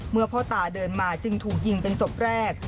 พ่อตาเดินมาจึงถูกยิงเป็นศพแรก